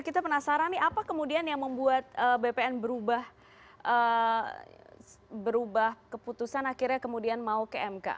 kita penasaran nih apa kemudian yang membuat bpn berubah keputusan akhirnya kemudian mau ke mk